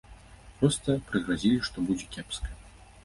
Проста прыгразілі, што будзе кепска.